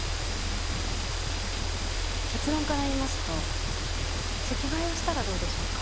結論から言いますと席替えをしたらどうでしょうか。